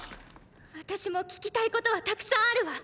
私も聞きたいことは沢山あるわ。